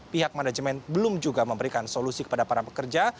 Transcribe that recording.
pihak manajemen belum juga memberikan solusi kepada para pekerja